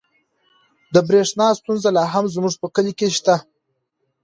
د برښنا ستونزه لا هم زموږ په کلي کې شته.